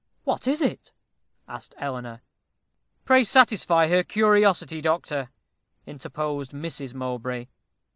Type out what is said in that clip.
"What is it?" asked Eleanor. "Pray satisfy her curiosity, doctor," interposed Mrs. Mowbray.